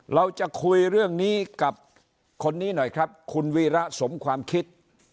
เราจะคุยเรื่องนี้กับคนนี้หน่อยครับคุณวีระสมความคิด